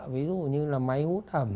ví dụ như là máy hút ẩm